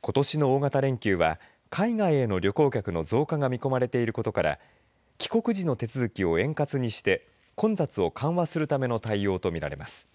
ことしの大型連休は海外への旅行客の増加が見込まれていることから帰国時の手続きを円滑にして混雑を緩和するための対応と見られます。